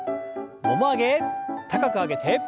もも上げ高く上げて。